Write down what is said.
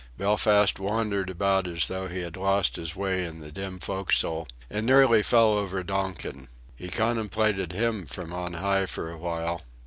Belfast wandered about as though he had lost his way in the dim forecastle, and nearly fell over Donkin. He contemplated him from on high for a while.